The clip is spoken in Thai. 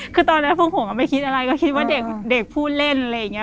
คือตอนนั้นพวกผมก็ไม่คิดอะไรก็คิดว่าเด็กพูดเล่นอะไรอย่างนี้